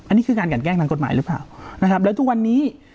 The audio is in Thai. อันนี้คือการกันแกล้งทางกฎหมายหรือเปล่านะครับแล้วทุกวันนี้